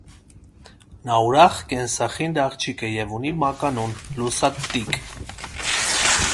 Նա ուրախ, կենսախինդ աղջիկ է և ունի մականուն՝ «լուսատտիկ»։